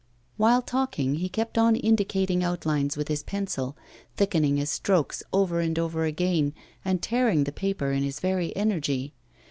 While talking, he kept on indicating outlines with his pencil, thickening his strokes over and over again, and tearing the paper in his very energy.